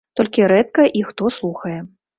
Толькі рэдка іх хто слухае.